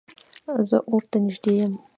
زه اور ته نږدې یم